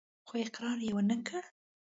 خو اقرار يې ونه کړ.